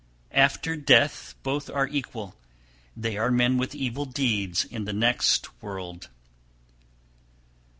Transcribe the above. After death both are equal, they are men with evil deeds in the next world.